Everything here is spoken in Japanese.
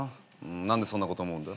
何でそんなこと思うんだ？